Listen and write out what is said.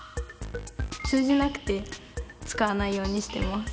通じなくて使わないようにしています。